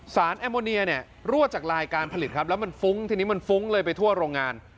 แอมโมเนียเนี่ยรั่วจากลายการผลิตครับแล้วมันฟุ้งทีนี้มันฟุ้งเลยไปทั่วโรงงาน